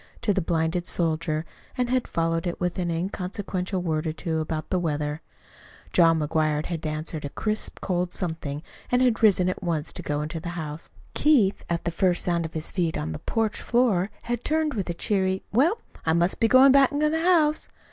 to the blinded soldier, and had followed it with an inconsequential word or two about the weather. John McGuire had answered a crisp, cold something, and had risen at once to go into the house. Keith, at the first sound of his feet on the porch floor, had turned with a cheery "Well, I must be going back to the house."